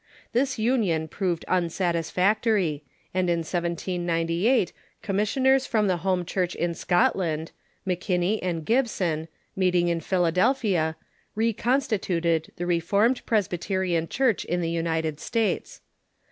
This union px'oved unsatisfactory, and in 1798 commissioners from the home Church in Scotland, McKinney and Gibson, meeting in Philadelphia, reconstituted the Re formed Presbyterian Church in the United States.